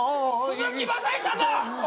鈴木雅之さんだ！